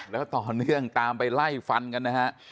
แล้วต่อเนื่องตามไปไล่ฟันกันนะฮะ